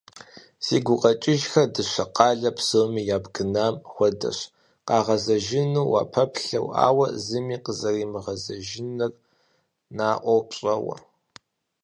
Си гукъэкӏыжхэр дыщэ къалэ псоми ябгынам хуэдэщ, къагъэзэжыну уапэплъэу, ауэ зыми къызэримыгъэзэжынур наӏуэу пщӏэуэ.